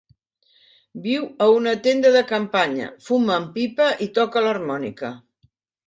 Viu en una tenda de campanya, fuma en pipa i toca l'harmònica.